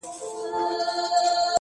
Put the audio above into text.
هېره مي يې؛